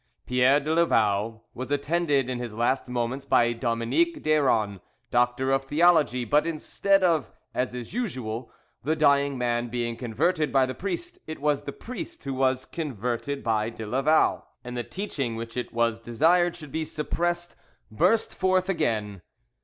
Pierre de Lavau was attended in his last moments by Dominique Deyron, Doctor of Theology; but instead of, as is usual, the dying man being converted by the priest, it was the priest who was converted by de Lavau, and the teaching which it was desired should be suppressed burst forth again.